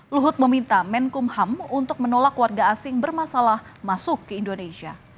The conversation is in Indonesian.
luhut meminta menkumham untuk menolak warga asing bermasalah masuk ke indonesia